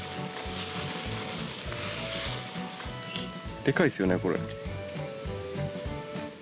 でかいですよねこれ。